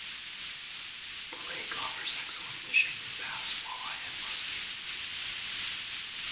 The lake offers excellent fishing for bass, walleye, and muskie.